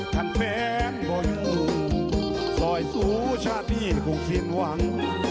ทักแฟงบนสอยสู่ชาติที่คงคิดหวัง